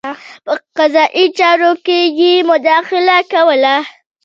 په قضايي چارو کې یې مداخله کوله.